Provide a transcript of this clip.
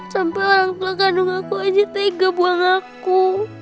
sampai orang tua kandung aku ini tega buang aku